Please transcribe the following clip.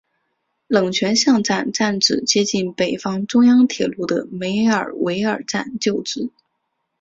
冷泉巷站站址接近北方中央铁路的梅尔维尔站旧址。